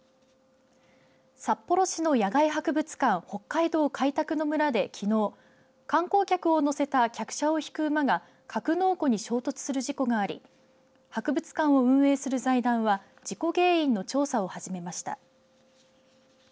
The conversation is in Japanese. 札幌市の野外博物館北海道開拓の村で、きのう観光客を乗せた客車を引く馬が格納庫に衝突する事故があり博物館を運営する財団は事故原因の調査を始めました。